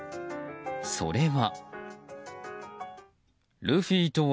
それは。